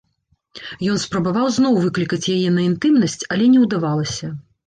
Ён спрабаваў зноў выклікаць яе на інтымнасць, але не ўдавалася.